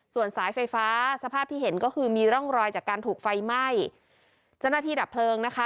ส่วนสายไฟฟ้าสภาพที่เห็นก็คือมีร่องรอยจากการถูกไฟไหม้เจ้าหน้าที่ดับเพลิงนะคะ